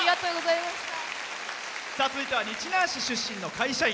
続いては日南市の出身の会社員。